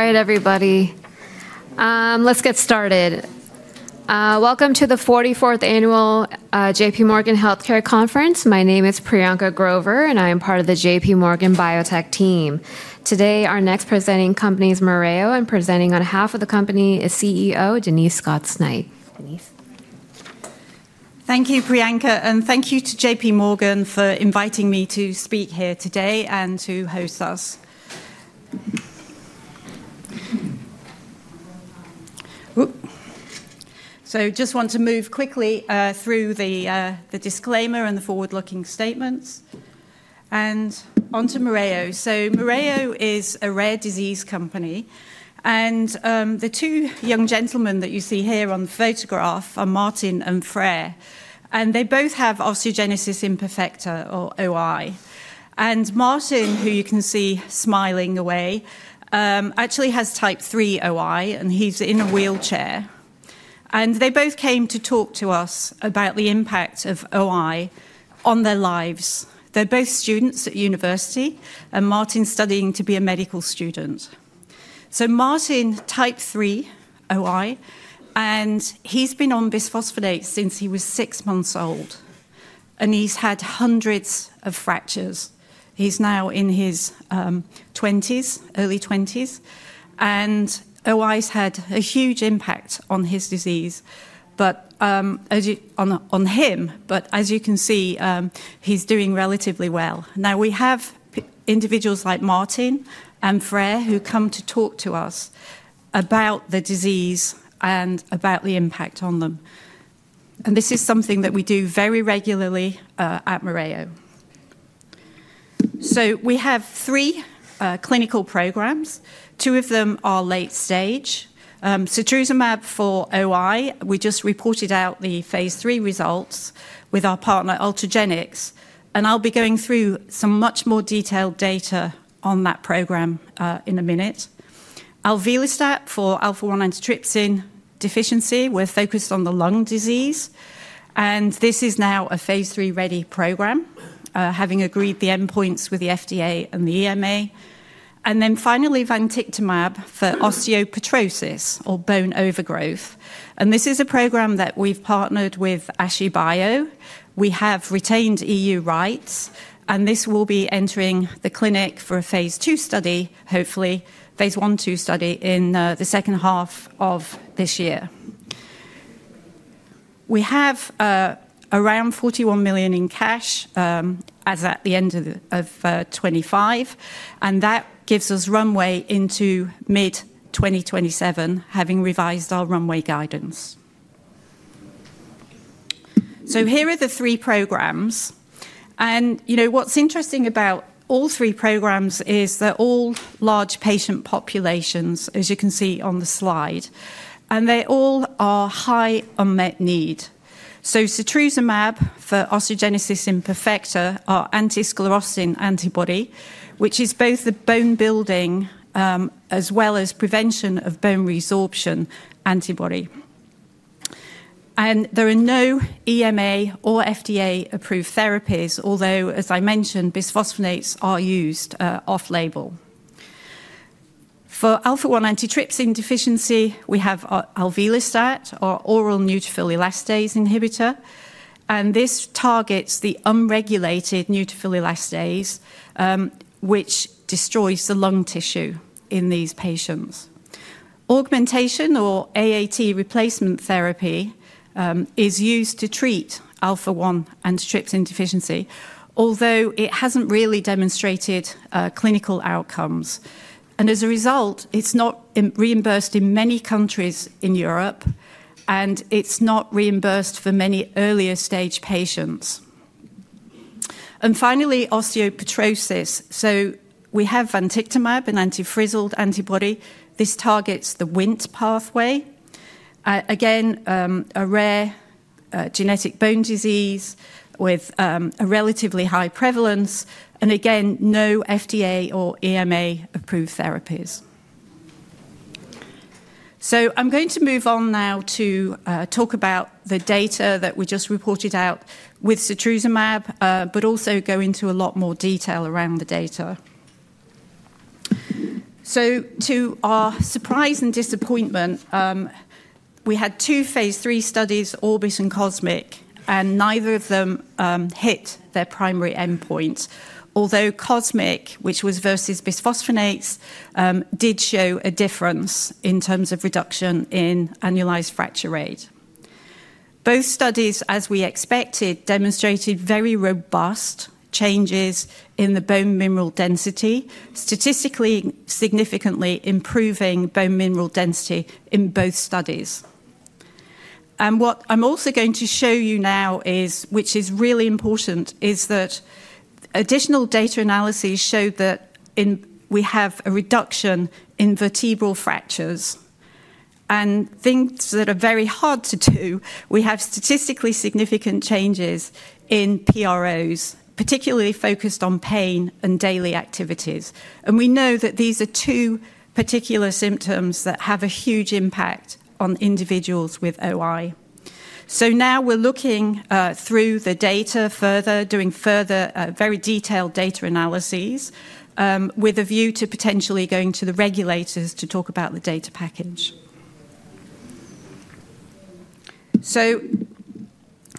All right, everybody. Let's get started. Welcome to the 44th Annual JPMorgan Healthcare Conference. My name is Priyanka Grover, and I am part of the JPMorgan Biotech team. Today, our next presenting company is Mereo, and presenting on behalf of the company is CEO Denise Scots-Knight. Denise. Thank you, Priyanka, and thank you to JPMorgan for inviting me to speak here today and to host us. So I just want to move quickly through the disclaimer and the forward-looking statements. And on to Mereo. So Mereo is a rare disease company. And the two young gentlemen that you see here on the photograph are Martin and Freya, and they both have osteogenesis imperfecta, or OI. And Martin, who you can see smiling away, actually has type 3 OI, and he's in a wheelchair. And they both came to talk to us about the impact of OI on their lives. They're both students at university, and Martin's studying to be a medical student. So Martin, type 3 OI, and he's been on bisphosphonates since he was six months old, and he's had hundreds of fractures. He's now in his early 20s, and OI has had a huge impact on his disease, but on him. But as you can see, he's doing relatively well. Now, we have individuals like Martin and Freya who come to talk to us about the disease and about the impact on them. And this is something that we do very regularly at Mereo. So we have three clinical programs. Two of them are late stage. Setrusumab for OI, we just reported out the phase III results with our partner, Ultragenyx. And I'll be going through some much more detailed data on that program in a minute. Alvelestat for alpha-1 antitrypsin deficiency, we're focused on the lung disease. And this is now a phase III-ready program, having agreed the endpoints with the FDA and the EMA. And then finally, vantictumab for osteopetrosis, or bone overgrowth. This is a program that we've partnered with OncXerna Therapeutics. We have retained EU rights, and this will be entering the clinic for a phase II study, hopefully phase I-II study in the second half of this year. We have around $41 million in cash as at the end of 2025, and that gives us runway into mid-2027, having revised our runway guidance. Here are the three programs. What's interesting about all three programs is they're all large patient populations, as you can see on the slide, and they all are high unmet need. Setrusumab for osteogenesis imperfecta, an anti-sclerostin antibody, which is both the bone building as well as prevention of bone resorption antibody. There are no EMA- or FDA-approved therapies, although, as I mentioned, bisphosphonates are used off-label. For alpha-1 antitrypsin deficiency, we have alvelestat, our oral neutrophil elastase inhibitor, and this targets the unregulated neutrophil elastase, which destroys the lung tissue in these patients. Augmentation or AAT replacement therapy is used to treat alpha-1 antitrypsin deficiency, although it hasn't really demonstrated clinical outcomes, and as a result, it's not reimbursed in many countries in Europe, and it's not reimbursed for many earlier stage patients, and finally, osteopetrosis, so we have vantictumab, an anti-Frizzled antibody. This targets the Wnt pathway, again, a rare genetic bone disease with a relatively high prevalence, and again, no FDA or EMA-approved therapies, so I'm going to move on now to talk about the data that we just reported out with setrusumab, but also go into a lot more detail around the data. To our surprise and disappointment, we had two phase III studies, ORBIT and COSMIC, and neither of them hit their primary endpoint, although COSMIC, which was versus bisphosphonates, did show a difference in terms of reduction in annualized fracture rate. Both studies, as we expected, demonstrated very robust changes in the bone mineral density, statistically significantly improving bone mineral density in both studies. What I'm also going to show you now, which is really important, is that additional data analyses show that we have a reduction in vertebral fractures. Things that are very hard to do, we have statistically significant changes in PROs, particularly focused on pain and daily activities. We know that these are two particular symptoms that have a huge impact on individuals with OI. So now we're looking through the data further, doing further very detailed data analyses with a view to potentially going to the regulators to talk about the data package. So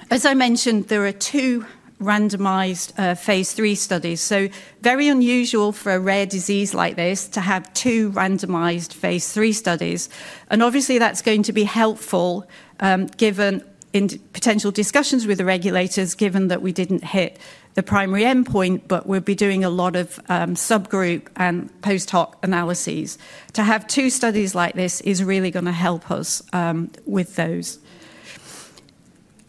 as I mentioned, there are two randomized phase III studies. So very unusual for a rare disease like this to have two randomized phase III studies. And obviously, that's going to be helpful given potential discussions with the regulators, given that we didn't hit the primary endpoint, but we'll be doing a lot of subgroup and post-hoc analyses. To have two studies like this is really going to help us with those.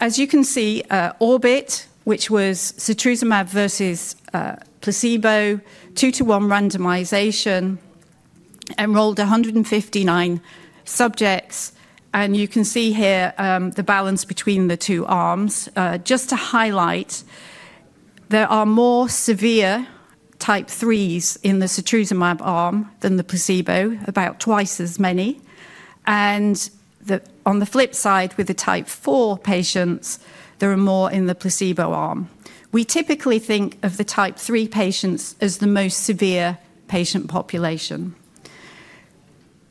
As you can see, ORBIT, which was setrusumab versus placebo, two-to-one randomization, enrolled 159 subjects. And you can see here the balance between the two arms. Just to highlight, there are more severe type 3s in the setrusumab arm than the placebo, about twice as many. On the flip side, with the type 4 patients, there are more in the placebo arm. We typically think of the type 3 patients as the most severe patient population.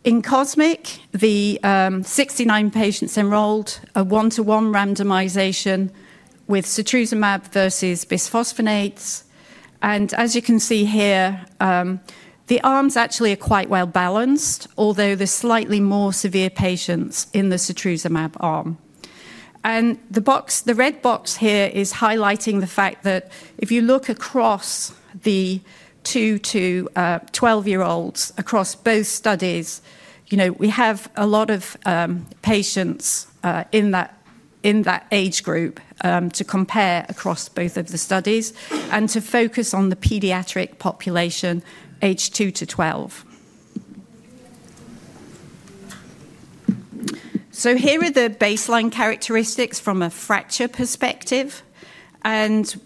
In COSMIC, the 69 patients enrolled a one-to-one randomization with setrusumab versus bisphosphonates. As you can see here, the arms actually are quite well balanced, although there are slightly more severe patients in the setrusumab arm. The red box here is highlighting the fact that if you look across the two to 12-year-olds across both studies, we have a lot of patients in that age group to compare across both of the studies and to focus on the pediatric population, age two to 12. Here are the baseline characteristics from a fracture perspective.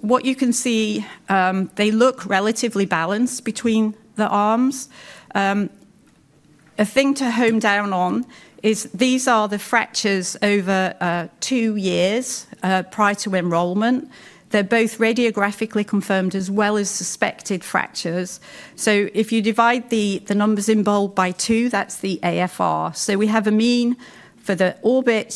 What you can see, they look relatively balanced between the arms. A thing to hone down on is these are the fractures over two years prior to enrollment. They're both radiographically confirmed as well as suspected fractures. So if you divide the numbers in bold by two, that's the AFR. So we have a mean for the ORBIT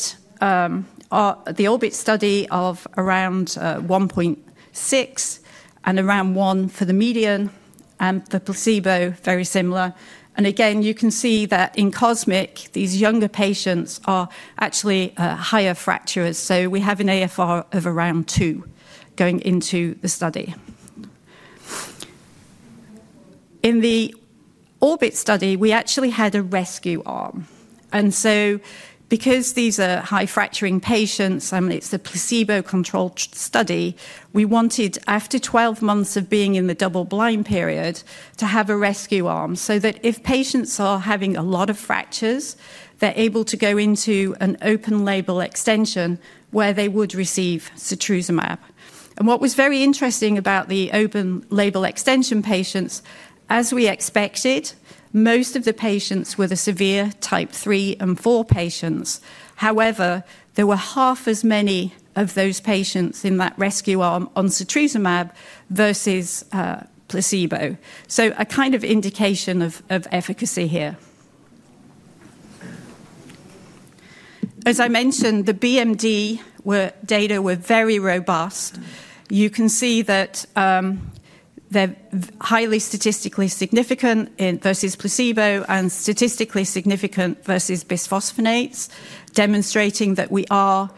study of around 1.6 and around one for the median, and for placebo, very similar. And again, you can see that in COSMIC, these younger patients are actually higher fracturers. So we have an AFR of around two going into the study. In the ORBIT study, we actually had a rescue arm. And so because these are high-fracturing patients, and it's a placebo-controlled study, we wanted, after 12 months of being in the double-blind period, to have a rescue arm so that if patients are having a lot of fractures, they're able to go into an open-label extension where they would receive setrusumab. What was very interesting about the open-label extension patients, as we expected, most of the patients were the severe type 3 and 4 patients. However, there were half as many of those patients in that rescue arm on setrusumab versus placebo. So a kind of indication of efficacy here. As I mentioned, the BMD data were very robust. You can see that they're highly statistically significant versus placebo and statistically significant versus bisphosphonates, demonstrating that we are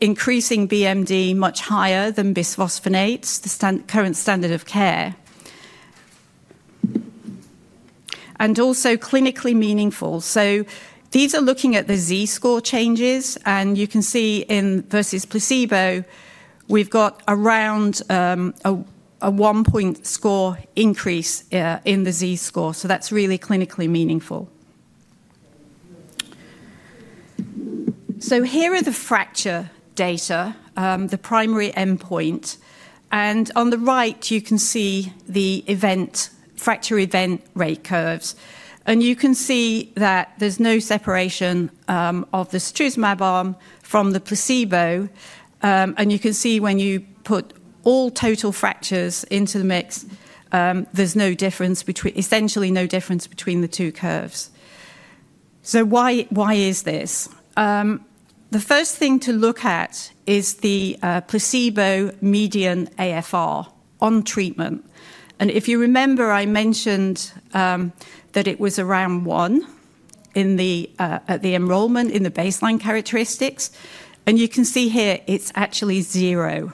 increasing BMD much higher than bisphosphonates, the current standard of care. And also clinically meaningful. So these are looking at the Z-score changes, and you can see versus placebo, we've got around a one-point score increase in the Z-score. So that's really clinically meaningful. So here are the fracture data, the primary endpoint. And on the right, you can see the fracture event rate curves. You can see that there's no separation of the setrusumab arm from the placebo. You can see when you put all total fractures into the mix, there's no difference, essentially no difference between the two curves. Why is this? The first thing to look at is the placebo median AFR on treatment. If you remember, I mentioned that it was around one at the enrollment in the baseline characteristics. You can see here, it's actually zero.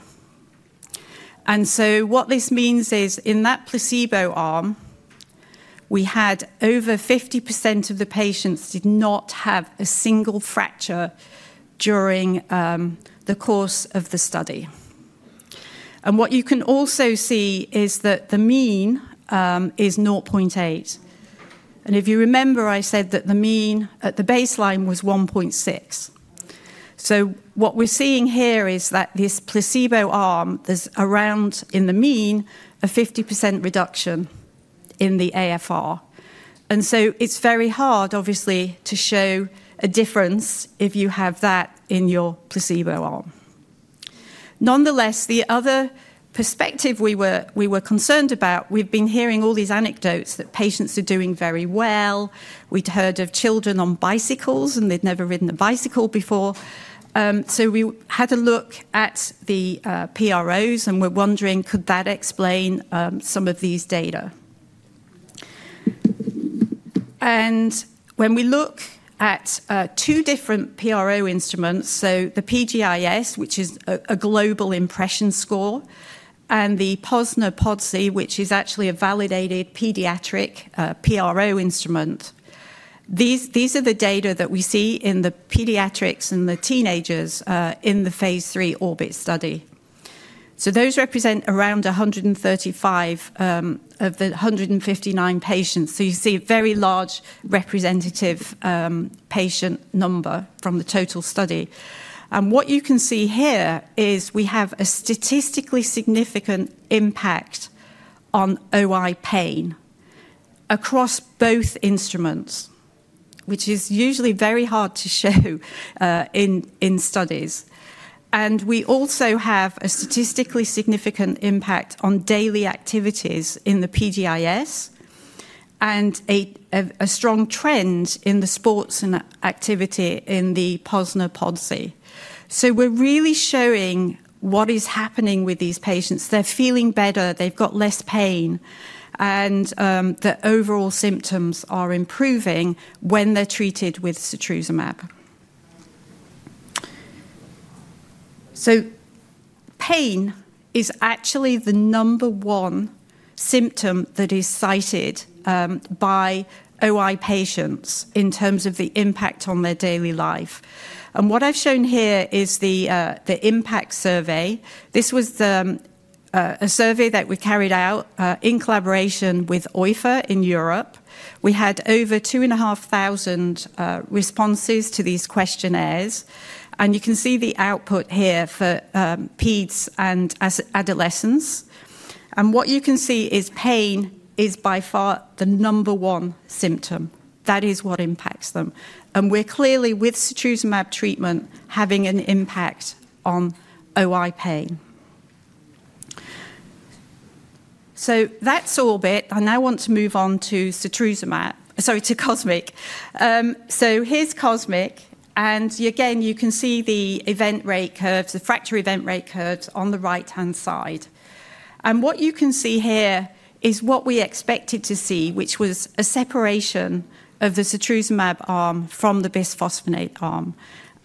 What this means is in that placebo arm, we had over 50% of the patients did not have a single fracture during the course of the study. What you can also see is that the mean is 0.8. If you remember, I said that the mean at the baseline was 1.6. So what we're seeing here is that this placebo arm, there's around in the mean a 50% reduction in the AFR. And so it's very hard, obviously, to show a difference if you have that in your placebo arm. Nonetheless, the other perspective we were concerned about, we've been hearing all these anecdotes that patients are doing very well. We'd heard of children on bicycles, and they'd never ridden a bicycle before. So we had a look at the PROs, and we're wondering, could that explain some of these data? And when we look at two different PRO instruments, so the PGIS, which is a global impression score, and the POSNA-PODCI, which is actually a validated pediatric PRO instrument, these are the data that we see in the pediatrics and the teenagers in the phase III ORBIT study. So those represent around 135 of the 159 patients. You see a very large representative patient number from the total study. And what you can see here is we have a statistically significant impact on OI pain across both instruments, which is usually very hard to show in studies. And we also have a statistically significant impact on daily activities in the PGIS and a strong trend in the sports and activity in the POSNA-PODCI. So we're really showing what is happening with these patients. They're feeling better, they've got less pain, and the overall symptoms are improving when they're treated with setrusumab. So pain is actually the number one symptom that is cited by OI patients in terms of the impact on their daily life. And what I've shown here is the impact survey. This was a survey that we carried out in collaboration with OIFE in Europe. We had over two and a half thousand responses to these questionnaires. And you can see the output here for peds and adolescents. And what you can see is pain is by far the number one symptom. That is what impacts them. And we're clearly, with setrusumab treatment, having an impact on OI pain. So that's ORBIT. I now want to move on to setrusumab, sorry, to COSMIC. So here's COSMIC. And again, you can see the event rate curves, the fracture event rate curves on the right-hand side. And what you can see here is what we expected to see, which was a separation of the setrusumab arm from the bisphosphonate arm.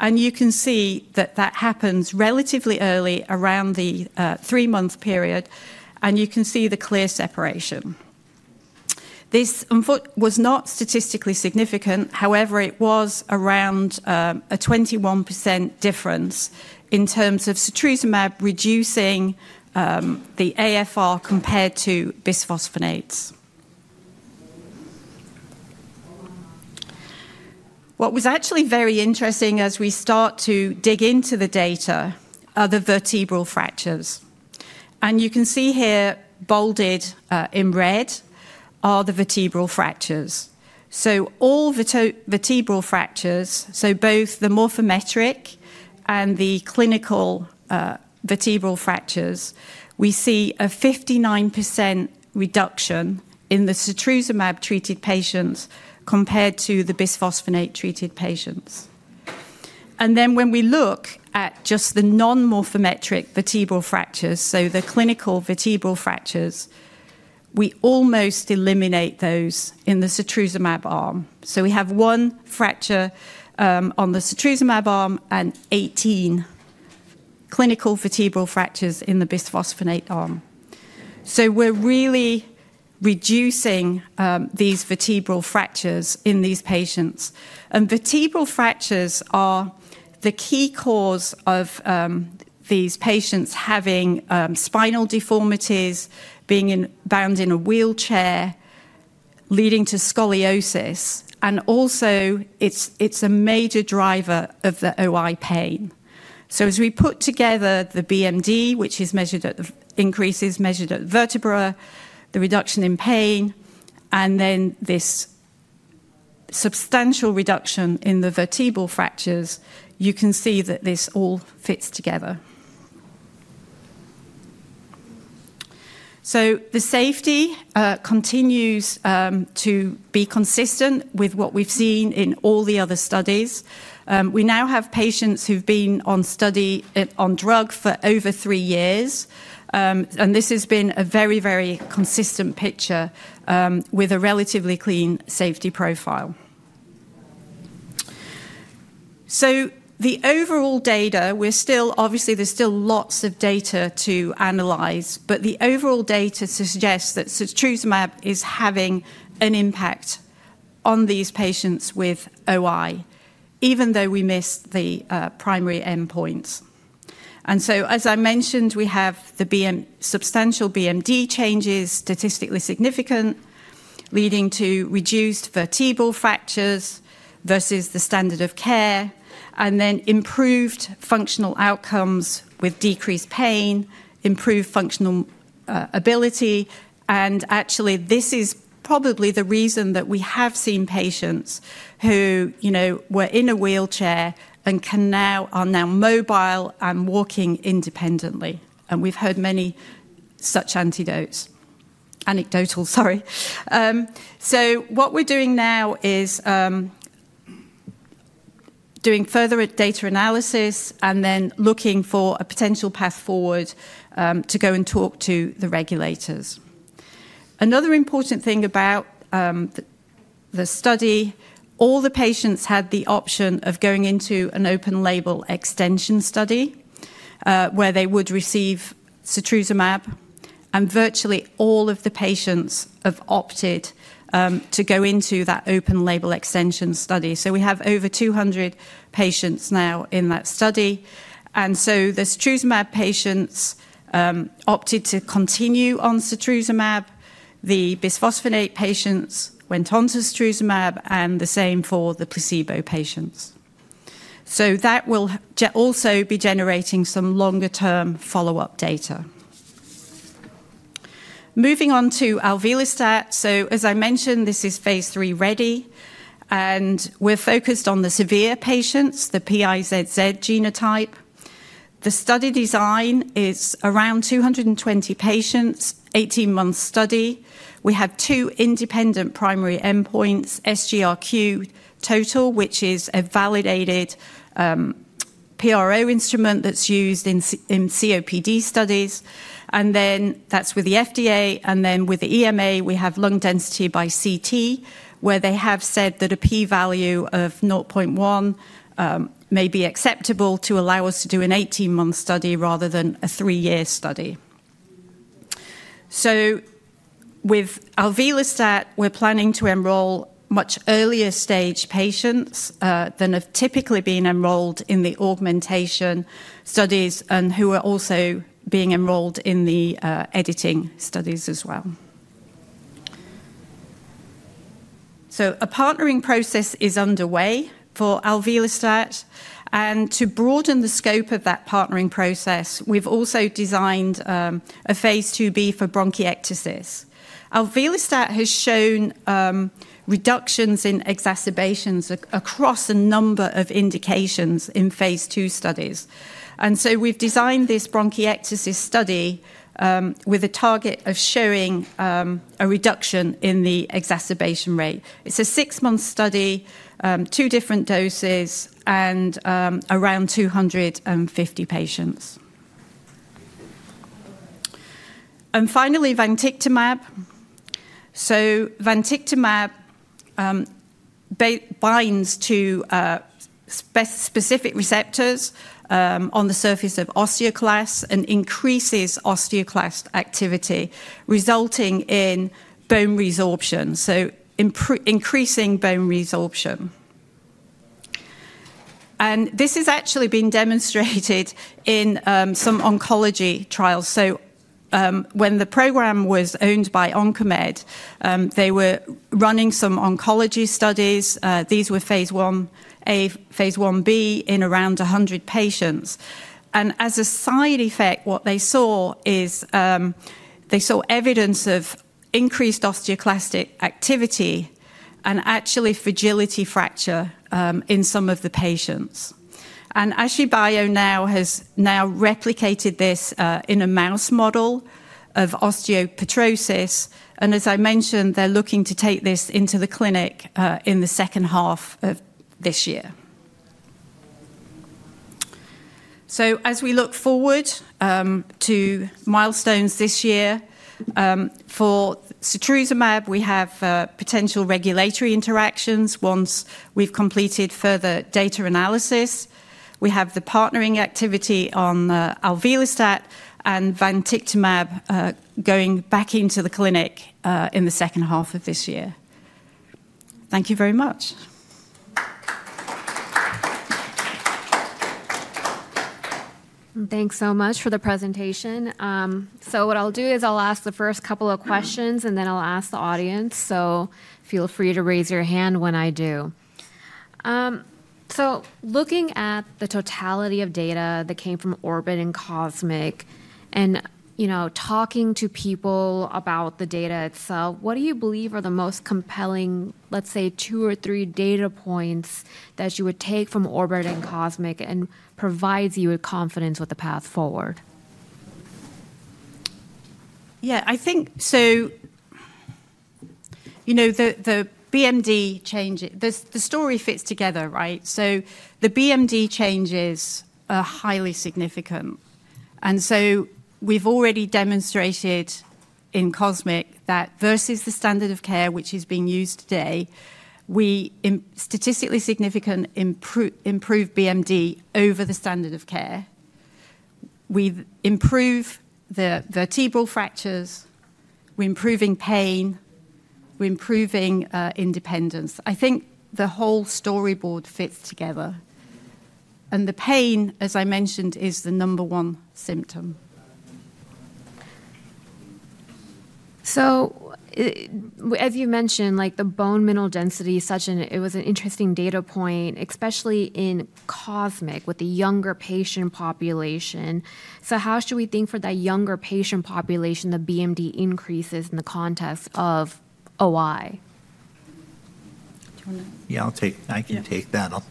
And you can see that that happens relatively early around the three-month period, and you can see the clear separation. This was not statistically significant. However, it was around a 21% difference in terms of setrusumab reducing the AFR compared to bisphosphonates. What was actually very interesting as we start to dig into the data are the vertebral fractures, and you can see here bolded in red are the vertebral fractures, so all vertebral fractures, so both the morphometric and the clinical vertebral fractures, we see a 59% reduction in the setrusumab-treated patients compared to the bisphosphonate-treated patients, and then when we look at just the non-morphometric vertebral fractures, so the clinical vertebral fractures, we almost eliminate those in the setrusumab arm, so we have one fracture on the setrusumab arm and 18 clinical vertebral fractures in the bisphosphonate arm, so we're really reducing these vertebral fractures in these patients, and vertebral fractures are the key cause of these patients having spinal deformities, being bound in a wheelchair, leading to scoliosis. And also, it's a major driver of the OI pain. So as we put together the BMD, which is measured at the increases measured at vertebra, the reduction in pain, and then this substantial reduction in the vertebral fractures, you can see that this all fits together. So the safety continues to be consistent with what we've seen in all the other studies. We now have patients who've been on drug for over three years. And this has been a very, very consistent picture with a relatively clean safety profile. So the overall data, we're still, obviously, there's still lots of data to analyze, but the overall data suggests that setrusumab is having an impact on these patients with OI, even though we missed the primary endpoints. As I mentioned, we have the substantial BMD changes, statistically significant, leading to reduced vertebral fractures versus the standard of care, and then improved functional outcomes with decreased pain, improved functional ability. Actually, this is probably the reason that we have seen patients who were in a wheelchair and are now mobile and walking independently. We've heard many such anecdotes. Anecdotal, sorry. What we're doing now is doing further data analysis and then looking for a potential path forward to go and talk to the regulators. Another important thing about the study, all the patients had the option of going into an open-label extension study where they would receive setrusumab. Virtually all of the patients have opted to go into that open-label extension study. We have over 200 patients now in that study. The setrusumab patients opted to continue on setrusumab. The bisphosphonate patients went on to setrusumab, and the same for the placebo patients. So that will also be generating some longer-term follow-up data. Moving on to alvelestat. So, as I mentioned, this is phase III ready. And we're focused on the severe patients, the PiZZ genotype. The study design is around 220 patients, 18-month study. We have two independent primary endpoints, SGRQ total, which is a validated PRO instrument that's used in COPD studies. And then that's with the FDA. And then with the EMA, we have lung density by CT, where they have said that a P value of 0.1 may be acceptable to allow us to do an 18-month study rather than a three-year study. So with alvelestat, we're planning to enroll much earlier-stage patients than have typically been enrolled in the augmentation studies and who are also being enrolled in the editing studies as well. A partnering process is underway for alvelestat. To broaden the scope of that partnering process, we've also designed a phase II-B for bronchiectasis. Alvelestat has shown reductions in exacerbations across a number of indications in phase II studies. We've designed this bronchiectasis study with a target of showing a reduction in the exacerbation rate. It's a six-month study, two different doses, and around 250 patients. Finally, vantictumab. Vantictumab binds to specific receptors on the surface of osteoclasts and increases osteoclast activity, resulting in bone resorption, so increasing bone resorption. This has actually been demonstrated in some oncology trials. When the program was owned by OncoMed, they were running some oncology studies. These were phase I-A, phase I-B in around 100 patients. As a side effect, what they saw is they saw evidence of increased osteoclastic activity and actually fragility fracture in some of the patients. Āshibio now has replicated this in a mouse model of osteopetrosis. As I mentioned, they are looking to take this into the clinic in the second half of this year. As we look forward to milestones this year, for setrusumab, we have potential regulatory interactions once we have completed further data analysis. We have the partnering activity on alvelestat and vantictumab going back into the clinic in the second half of this year. Thank you very much. Thanks so much for the presentation. So what I'll do is I'll ask the first couple of questions, and then I'll ask the audience. So feel free to raise your hand when I do. So looking at the totality of data that came from ORBIT and COSMIC and talking to people about the data itself, what do you believe are the most compelling, let's say, two or three data points that you would take from ORBIT and COSMIC and provide you with confidence with the path forward? Yeah, I think, so the BMD change, the story fits together, right? So the BMD changes are highly significant. And so we've already demonstrated in COSMIC that versus the standard of care, which is being used today, we statistically significantly improve BMD over the standard of care. We improve the vertebral fractures, we're improving pain, we're improving independence. I think the whole storyboard fits together. And the pain, as I mentioned, is the number one symptom. As you mentioned, the bone mineral density is such an interesting data point, especially in COSMIC with the younger patient population. How should we think for that younger patient population the BMD increases in the context of OI? Yeah, I can take that. I'll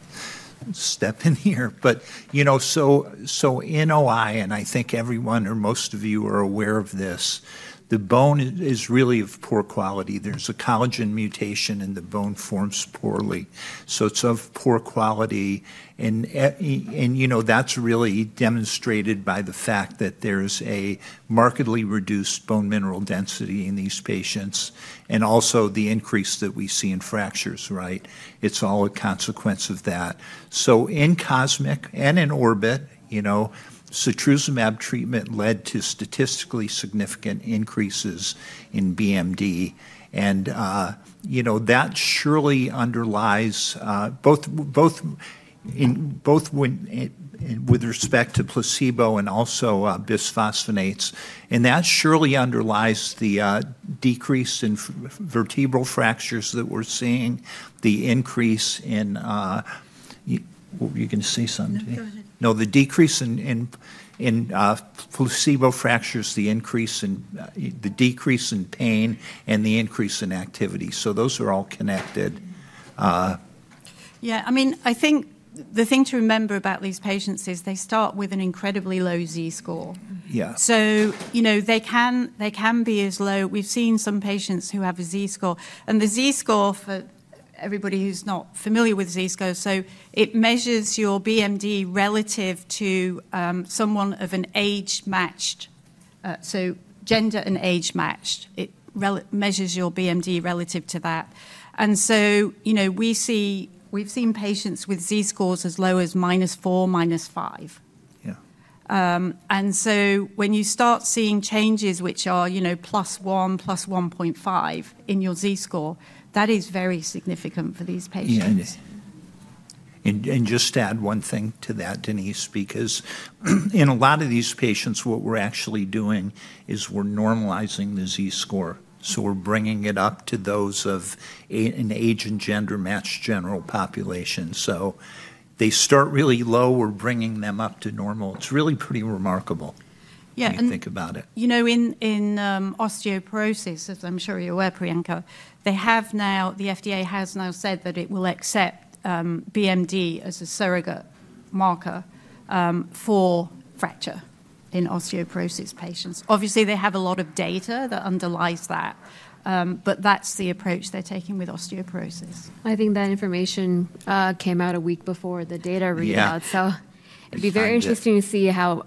step in here. But so in OI, and I think everyone or most of you are aware of this, the bone is really of poor quality. There's a collagen mutation and the bone forms poorly. So it's of poor quality. And that's really demonstrated by the fact that there's a markedly reduced bone mineral density in these patients and also the increase that we see in fractures, right? It's all a consequence of that. So in COSMIC and in ORBIT, setrusumab treatment led to statistically significant increases in BMD. And that surely underlies both with respect to placebo and also bisphosphonates. And that surely underlies the decrease in vertebral fractures that we're seeing, the increase in, you can say something. Go ahead. No, the decrease in placebo fractures, the increase in pain, and the increase in activity. So those are all connected. Yeah, I mean, I think the thing to remember about these patients is they start with an incredibly low Z-score. So they can be as low. We've seen some patients who have a Z-score. And the Z-score for everybody who's not familiar with Z-scores, so it measures your BMD relative to someone of an age matched, so gender and age matched. It measures your BMD relative to that. And so we've seen patients with Z-scores as low as minus 4, minus 5. And so when you start seeing changes which are plus 1, plus 1.5 in your Z-score, that is very significant for these patients. And just to add one thing to that, Denise, because in a lot of these patients, what we're actually doing is we're normalizing the Z-score. So we're bringing it up to those of an age and gender matched general population. So they start really low, we're bringing them up to normal. It's really pretty remarkable when you think about it. Yeah, and in osteoporosis, as I'm sure you're aware, Priyanka, the FDA has now said that it will accept BMD as a surrogate marker for fracture in osteoporosis patients. Obviously, they have a lot of data that underlies that, but that's the approach they're taking with osteoporosis. I think that information came out a week before the data readout. So it'd be very interesting to see how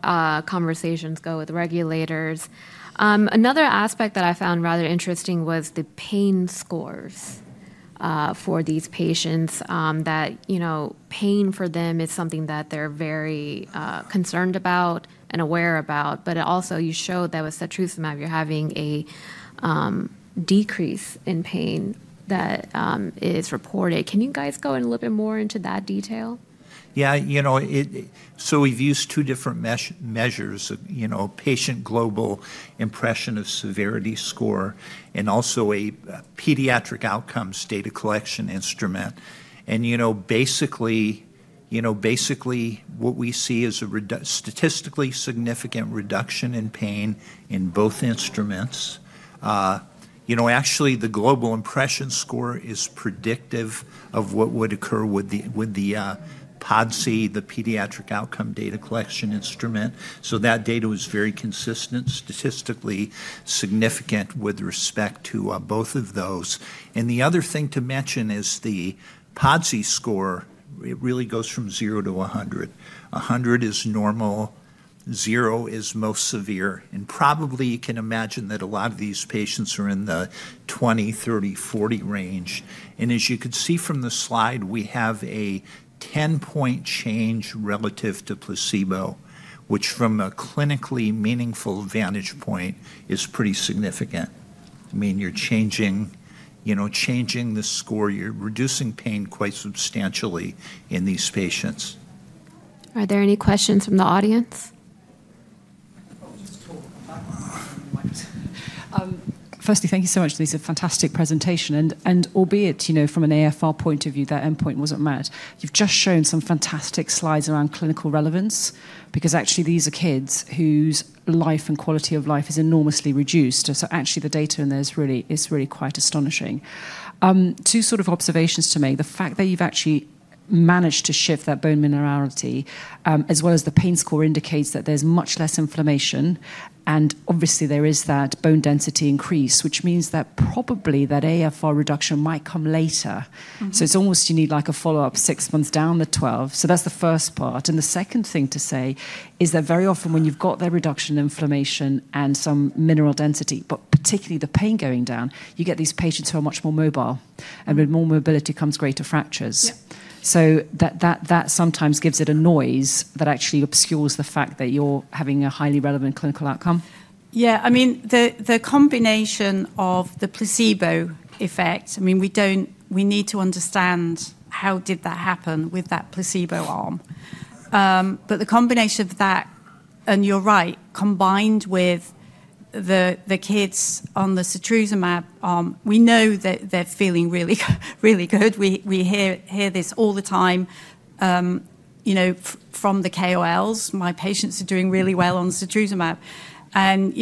conversations go with regulators. Another aspect that I found rather interesting was the pain scores for these patients, that pain for them is something that they're very concerned about and aware about. But also you showed that with setrusumab, you're having a decrease in pain that is reported. Can you guys go in a little bit more into that detail? Yeah, so we've used two different measures, patient global impression of severity score and also a pediatric outcomes data collection instrument, and basically, what we see is a statistically significant reduction in pain in both instruments. Actually, the global impression score is predictive of what would occur with the PODCI, the pediatric outcome data collection instrument, so that data was very consistent, statistically significant with respect to both of those, and the other thing to mention is the PODCI score, it really goes from 0 to 100. 100 is normal, 0 is most severe, and probably you can imagine that a lot of these patients are in the 20, 30, 40 range, and as you can see from the slide, we have a 10-point change relative to placebo, which from a clinically meaningful vantage point is pretty significant. I mean, you're changing the score, you're reducing pain quite substantially in these patients. Are there any questions from the audience? Firstly, thank you so much, Denise, a fantastic presentation. And albeit from an AFR point of view, that endpoint wasn't met, you've just shown some fantastic slides around clinical relevance because actually these are kids whose life and quality of life is enormously reduced. So actually the data in there is really quite astonishing. Two sort of observations to make. The fact that you've actually managed to shift that bone mineral density, as well as the pain score indicates that there's much less inflammation. And obviously there is that bone density increase, which means that probably that AFR reduction might come later. So it's almost you need like a follow-up six months down the 12. So that's the first part. And the second thing to say is that very often when you've got that reduction in inflammation and some mineral density, but particularly the pain going down, you get these patients who are much more mobile. And with more mobility comes greater fractures. So that sometimes gives it a noise that actually obscures the fact that you're having a highly relevant clinical outcome. Yeah, I mean, the combination of the placebo effect, I mean, we need to understand how did that happen with that placebo arm. But the combination of that, and you're right, combined with the kids on the setrusumab arm, we know that they're feeling really good. We hear this all the time from the KOLs. My patients are doing really well on setrusumab. And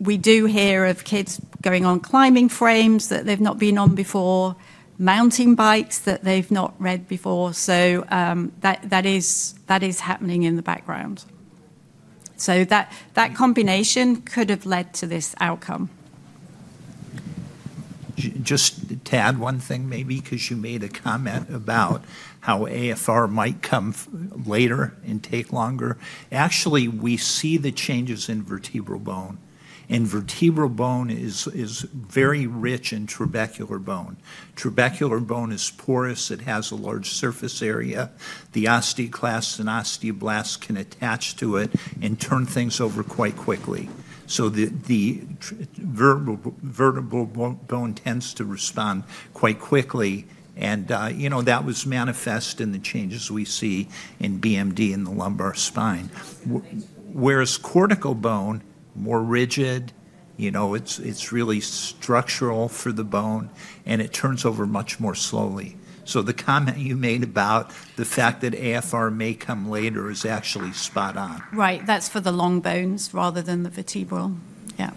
we do hear of kids going on climbing frames that they've not been on before, mountain bikes that they've not ridden before. So that is happening in the background. So that combination could have led to this outcome. Just to add one thing maybe because you made a comment about how AFR might come later and take longer. Actually, we see the changes in vertebral bone, and vertebral bone is very rich in trabecular bone. Trabecular bone is porous. It has a large surface area. The osteoclasts and osteoblasts can attach to it and turn things over quite quickly, so the vertebral bone tends to respond quite quickly, and that was manifest in the changes we see in BMD in the lumbar spine. Whereas cortical bone, more rigid, it's really structural for the bone and it turns over much more slowly, so the comment you made about the fact that AFR may come later is actually spot on. Right, that's for the long bones rather than the vertebral. Yeah.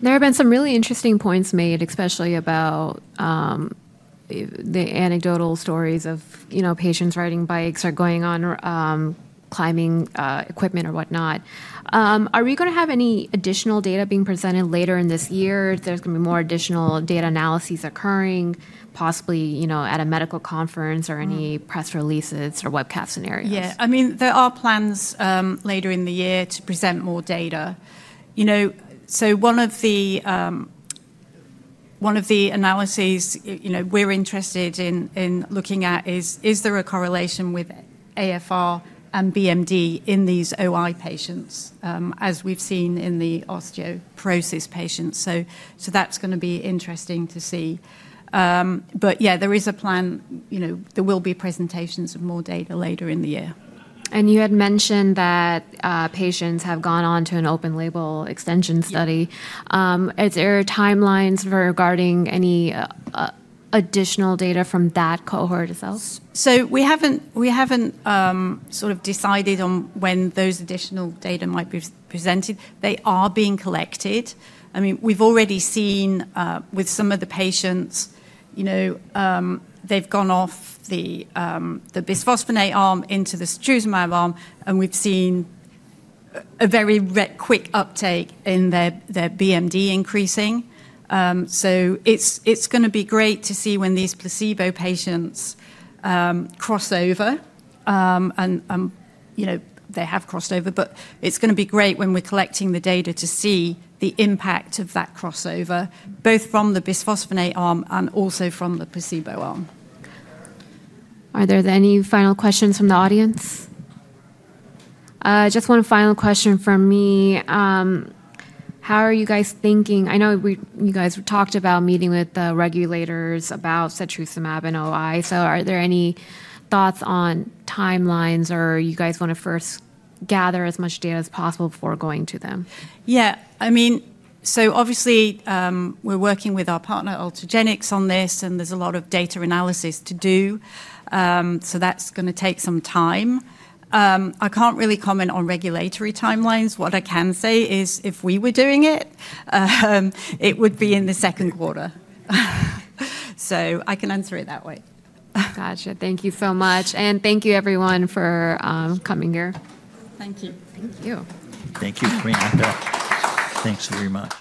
There have been some really interesting points made, especially about the anecdotal stories of patients riding bikes or going on climbing equipment or whatnot. Are we going to have any additional data being presented later in this year? There's going to be more additional data analyses occurring, possibly at a medical conference or any press releases or webcast scenarios? Yeah, I mean, there are plans later in the year to present more data. So one of the analyses we're interested in looking at is, is there a correlation with AFR and BMD in these OI patients as we've seen in the osteoporosis patients? So that's going to be interesting to see. But yeah, there is a plan, there will be presentations of more data later in the year. And you had mentioned that patients have gone on to an open-label extension study. Is there timelines regarding any additional data from that cohort itself? So we haven't sort of decided on when those additional data might be presented. They are being collected. I mean, we've already seen with some of the patients, they've gone off the bisphosphonate arm into the setrusumab arm, and we've seen a very quick uptake in their BMD increasing. So it's going to be great to see when these placebo patients cross over. And they have crossed over, but it's going to be great when we're collecting the data to see the impact of that crossover, both from the bisphosphonate arm and also from the placebo arm. Are there any final questions from the audience? Just one final question from me. How are you guys thinking? I know you guys talked about meeting with the regulators about setrusumab and OI. So are there any thoughts on timelines or are you guys going to first gather as much data as possible before going to them? Yeah, I mean, so obviously we're working with our partner Ultragenyx on this and there's a lot of data analysis to do, so that's going to take some time. I can't really comment on regulatory timelines. What I can say is if we were doing it, it would be in the second quarter, so I can answer it that way. Gotcha. Thank you so much, and thank you everyone for coming here. Thank you. Thank you. Thank you, Priyanka. Thanks very much.